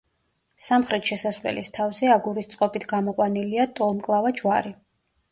სამხრეთის შესასვლელის თავზე აგურის წყობით გამოყვანილია ტოლმკლავა ჯვარი.